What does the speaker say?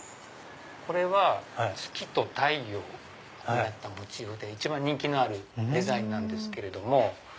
これは月と太陽モチーフで一番人気のあるデザインなんですけれども。